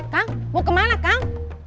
mau kemana kang